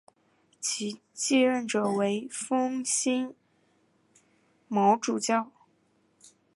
其继任者为封新卯主教。